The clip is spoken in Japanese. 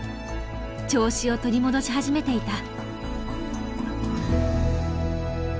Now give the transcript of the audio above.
調子を取り戻し始めていた。